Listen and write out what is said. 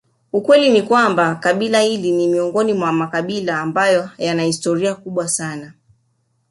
ukweli ni kwamba kabila hili ni miongoni mwa makabila ambayo yana historia kubwa sana